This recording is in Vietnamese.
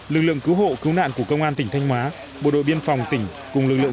lực lượng cứu hộ cứu nạn của công an tỉnh thanh hóa bộ đội biên phòng tỉnh cùng lực lượng